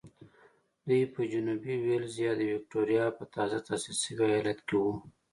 دوی په جنوبي وېلز یا د ویکټوریا په تازه تاسیس شوي ایالت کې وو.